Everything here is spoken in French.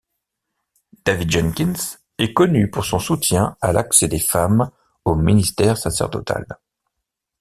David Jenkins est connu pour son soutien à l'accès des femmes au ministère sacerdotal.